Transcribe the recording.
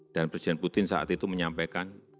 dan presiden putin saat itu menyampaikan